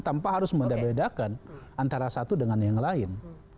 tanpa harus membedakan antara satu dengan yang lain